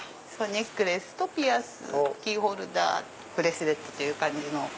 ネックレスとピアスキーホルダーブレスレットという感じの。